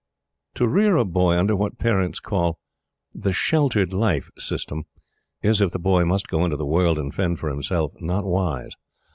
To rear a boy under what parents call the "sheltered life system" is, if the boy must go into the world and fend for himself, not wise.